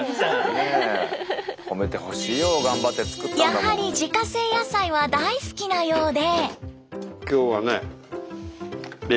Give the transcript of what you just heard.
やはり自家製野菜は大好きなようで。